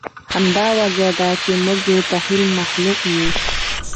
همدا وجه ده، چې موږ د تخیل مخلوق یو.